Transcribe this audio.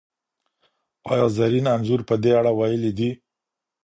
ایا زرین انځور په دې اړه ویلي دي؟